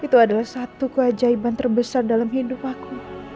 itu adalah satu keajaiban terbesar dalam hidup aku